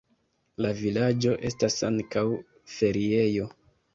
La vilaĝo estas ankaŭ feriejo.